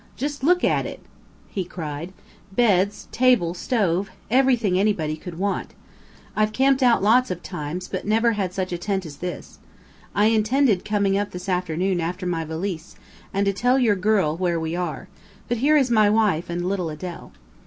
Just look at it!" he cried. "Beds, table, stove, everything anybody could want. I've camped out lots of times, but never had such a tent as this. I intended coming up this afternoon after my valise, and to tell your girl where we are. But here is my wife and little Adele."